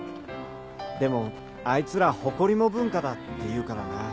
でもあいつらホコリも文化だって言うからな。